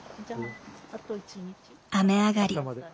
雨上がり。